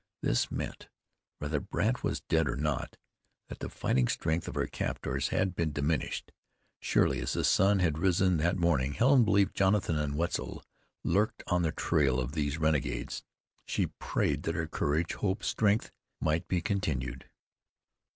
This meant, whether Brandt was dead or not, that the fighting strength of her captors had been diminished. Surely as the sun had risen that morning, Helen believed Jonathan and Wetzel lurked on the trail of these renegades. She prayed that her courage, hope, strength, might be continued.